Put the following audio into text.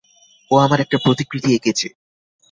ও আমার একটা প্রতিকৃতি এঁকেছে।